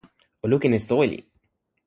o lukin e soweli.